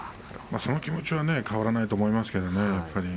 その気持ちは変わらないと思いますね。